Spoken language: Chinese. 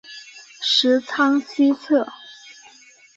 十仓西侧。